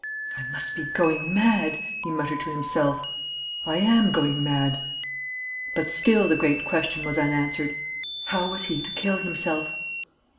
"I must be going mad," he muttered to himself. "I am going mad." But still the great question was unanswered How was he to kill himself?